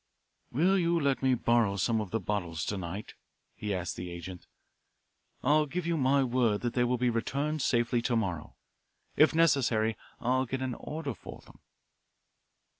"Will you let me borrow some of these bottles to night" he asked the agent. "I'll give you my word that they will be returned safely to morrow. If necessary, I'll get an order for them."